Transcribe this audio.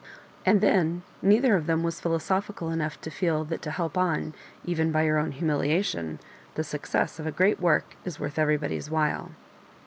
And then neither of them was philosophical enough to feel that to help on, even by your own humiliaiitv.i ihe success of a great work is worth everybody's while.